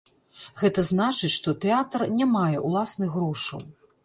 Гэта значыць, што тэатр не мае ўласных грошаў.